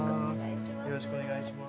よろしくお願いします。